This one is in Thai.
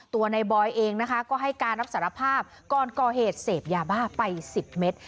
ตัวในบอยเองนะคะก็ให้การรับสารภาพก่อนก่อเหตุเสพยาบ้าไป๑๐เมตร